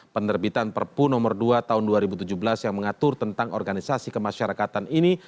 penerbitan perpu nomor dua tahun dua ribu tujuh belas yang mengatur tentang organisasi kemasyarakatan ini